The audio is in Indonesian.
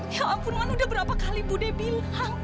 ya ampun man udah berapa kali bu debil